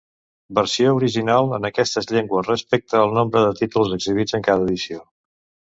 Versió original en aquestes llengües, respecte al nombre de títols exhibits en cada edició.